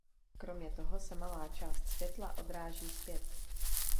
Kromě toho se malá část světla odráží zpět.